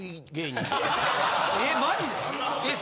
えっマジで！？